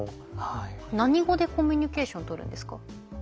何語でコミュニケーション取るんですか？